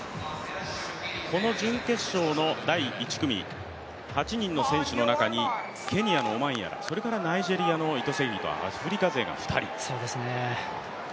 この準決勝の第１組、８人の選手の中にケニアのオマンヤラ、ナイジェリアのイトセキリ、アフリカ勢が２人。